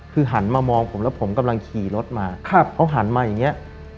คือหันมามองผมแล้วผมกำลังขี่รถมาเขาหันมาอย่างนี้